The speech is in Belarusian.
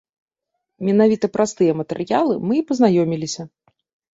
Менавіта праз тыя матэрыялы мы і пазнаёміліся.